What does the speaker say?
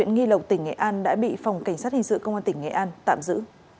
nghi lộc tỉnh nghệ an đã bị phòng cảnh sát hình sự công an tỉnh nghệ an tạm giữ